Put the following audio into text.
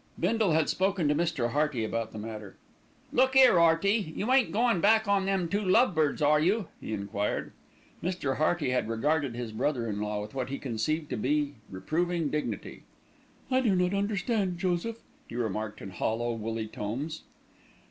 Bindle had spoken to Mr. Hearty about the matter. "Look 'ere, 'Earty, you ain't goin' back on them two love birds, are you?" he enquired. Mr. Hearty had regarded his brother in law with what he conceived to be reproving dignity. "I do not understand, Joseph," he remarked in hollow, woolly tones.